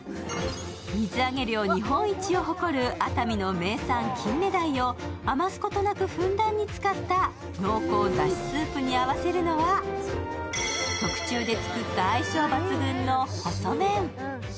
水揚げ量日本一を誇る熱海の名産・金目鯛を余すことなくふんだんに使った濃厚だしスープに合わせるのは特注で作った相性抜群の細麺。